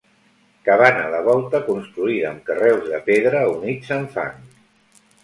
Cabana de volta construïda amb carreus de pedra units amb fang.